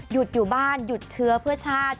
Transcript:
หยุดอยู่บ้านหยุดเชื้อเพื่อชาติ